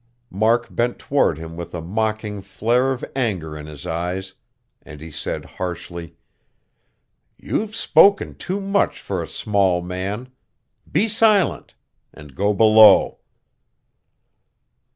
Mark bent toward him with a mocking flare of anger in his eyes; and he said harshly: "You've spoken too much for a small man. Be silent. And go below."